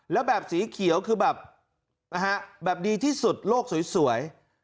แล้วแบบสีเขียวคือแบบดีที่สุดโลกสวย